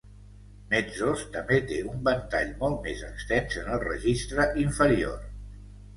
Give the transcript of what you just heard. Mezzos també té un ventall molt més extens en el registre inferior.